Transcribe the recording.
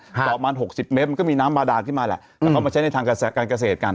ประมาณ๖๐เมตรมันก็มีน้ำบาดานขึ้นมาแหละแต่เขามาใช้ในทางการเกษตรกัน